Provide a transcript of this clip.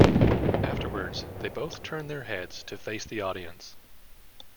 Afterwards, they both turn their heads to face the audience.